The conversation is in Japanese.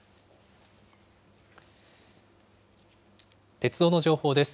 鉄道の情報です。